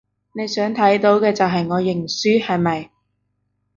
你想睇到嘅就係我認輸，係咪？